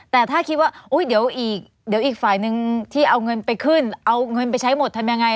แต่ถ้าคิดว่าเดี๋ยวอีกเดี๋ยวอีกฝ่ายนึงที่เอาเงินไปขึ้นเอาเงินไปใช้หมดทำยังไง